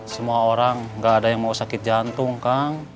semua orang nggak ada yang mau sakit jantung kang